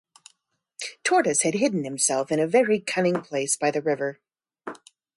Tortoise had hidden himself in a very cunning place by the river.